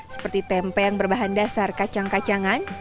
seperti tempe yang berbahan dasar kacang kacangan